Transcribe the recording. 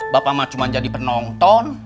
bapak mah cuma jadi penonton